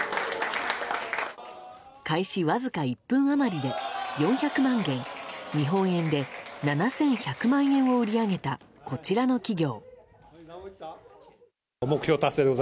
開始わずか１分余りで４００万元日本円で７１００万円を売り上げたこちらの企業。